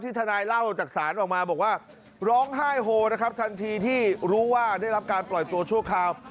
ทนายเล่าจากศาลออกมาบอกว่าร้องไห้โฮนะครับทันทีที่รู้ว่าได้รับการปล่อยตัวชั่วคราว